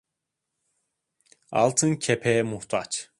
Altın kepeğe muhtaç.